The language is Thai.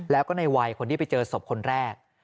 แล้วก็ในวัยคนที่ไปเจอศพคนแรก